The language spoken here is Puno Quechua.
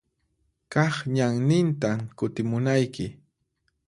Kaq ñanninta kutimunayki.